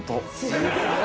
すごい。